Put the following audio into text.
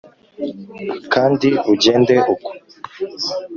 Kandi ugende uko